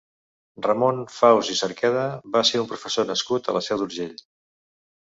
Ramon Faus i Cerqueda va ser un professor nascut a la Seu d'Urgell.